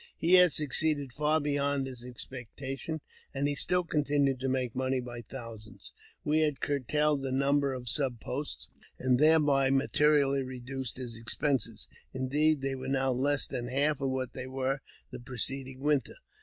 He had succeeded far beyond his ex pectation, and he still continued to make money by thousands. We had curtailed the number of sub posts, and thereby materially reduced his expenses ; indeed, they were now less than half what they were the preceding winter.